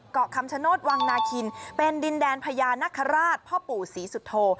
เกาะคำชโนธวังนาคินเป็นดินแดนพญานาคาราชพ่อปู่ศรีสุโธ